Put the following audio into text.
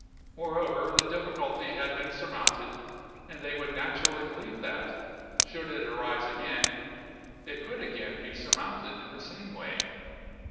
Moreover, the difficulty had been surmounted, and they would naturally believe that, should it again arise, it could again be surmounted in the same way.